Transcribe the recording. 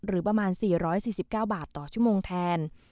ประมาณ๔๔๙บาทต่อชั่วโมงแทน